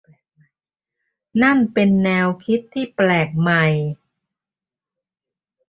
นั่นเป็นแนวคิดที่แปลกใหม่